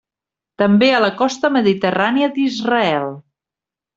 També a la costa mediterrània d'Israel.